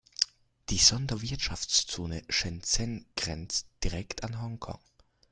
Die Sonderwirtschaftszone Shenzhen grenzt direkt an Hongkong.